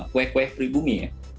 kue kue kudapan kudapan yang tertinggi ya